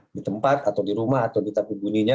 di tempat atau di rumah atau di tapi bunyinya